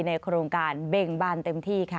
โครงการเบ่งบานเต็มที่ค่ะ